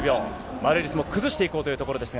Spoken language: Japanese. マルーリスも崩していこうというところですが。